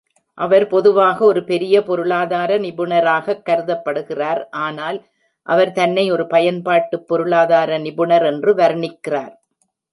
அவர் பொதுவாக ஒரு பெரிய பொருளாதார நிபுணராகக் கருதப்படுகிறார், ஆனால் அவர் தன்னை ஒரு "பயன்பாட்டு பொருளாதார நிபுணர்" என்று வர்ணிக்கிறார்.